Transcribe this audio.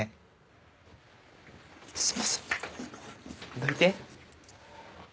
どいて。